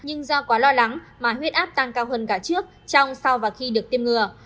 nhưng do quá lo lắng mà huyết áp tăng cao hơn cả trước trong sau và khi được tiêm ngừa